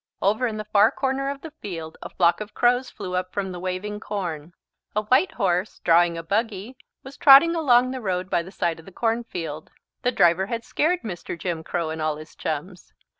Over in the far corner of the field a flock of crows flew up from the waving corn. A white horse, drawing a buggy, was trotting along the road by the side of the cornfield. The driver had scared Mr. Jim Crow and all his chums.